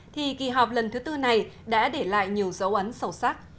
thì kỳ họp lần thứ tư này đã để lại nhiều dấu ấn sâu sắc